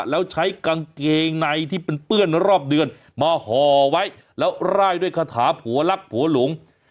แล้วใช้กางเกงในที่เป็นเปื้อนรอบเดือนมาห่อไว้แล้วร่ายด้วยคาถาผัวลักษัวหลง